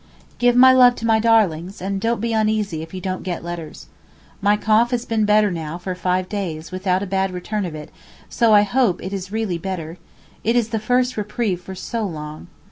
Give my love to my darlings, and don't be uneasy if you don't get letters. My cough has been better now for five days without a bad return of it, so I hope it is really better; it is the first reprieve for so long.